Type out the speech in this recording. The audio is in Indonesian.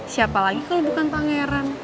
siapa lagi kalau bukan pangeran